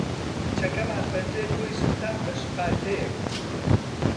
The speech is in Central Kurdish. کچەکەمان پەنجەی خۆی سووتاند بە شقارتەیەک.